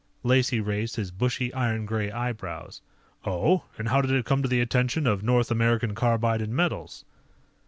Lacey raised his bushy, iron gray eyebrows. "Oh? And how did it come to the attention of North American Carbide & Metals?"